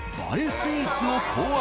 スイーツを考案。